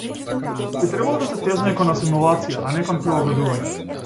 Би требало да се тежнее кон асимилација, а не кон прилагодување.